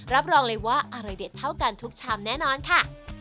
รับรองเลยว่าอร่อยเด็ดเท่ากันทุกชามแน่นอนค่ะ